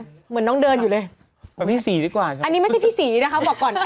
ดีน่ะกินของออร์แกนิคก็สงสารผู้ประกอบการไม่อยากไปซ้ำเติมอะไรแข็งแด๋ว